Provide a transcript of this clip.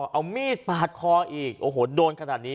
เอามีดปาดคออีกโอ้โหโดนขนาดนี้